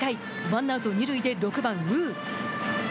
ワンアウト二塁で、６番呉。